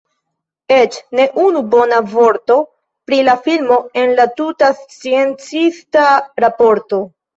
Eĉ ne unu bona vorto pri la filmo en la tuta sciencista raporto.